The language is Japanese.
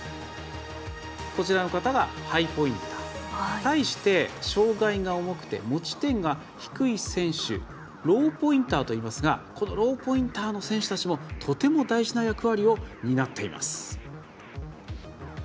対して、障がいが重くて持ち点が低い選手がローポインターといいますがこのローポインターの選手たちもとても大事な役割を担っています。